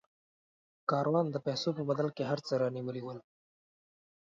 کاروان د پیسو په بدل کې هر څه رانیولي ول.